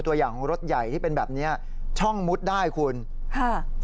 ตัวอย่างของรถใหญ่ที่เป็นแบบเนี้ยช่องมุดได้คุณค่ะ